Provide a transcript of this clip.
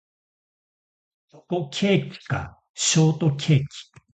チョコケーキかショートケーキ